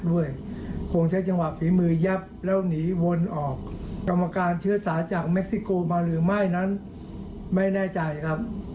ว่าจากเมกซิโกมาหรือไม่ไม่แน่ใจครับ